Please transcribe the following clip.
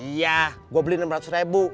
iya gue beli enam ratus ribu